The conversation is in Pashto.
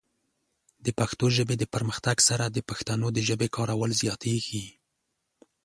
د پښتو ژبې د پرمختګ سره، د پښتنو د ژبې کارول زیاتېږي.